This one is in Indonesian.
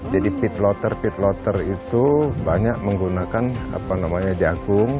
jadi pitlotter pitlotter itu banyak menggunakan apa namanya jagung